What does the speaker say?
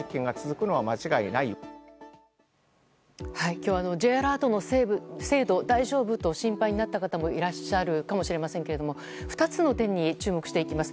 今日Ｊアラートの精度、大丈夫？と心配になった方もいらっしゃるかもしれませんけど２つの点に注目していきます。